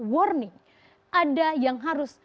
warning ada yang harus